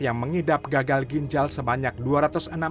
yang mengidap gagal ginjal sebanyak dua ratus orang